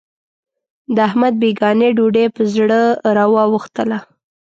د احمد بېګانۍ ډوډۍ په زړه را وا وښتله.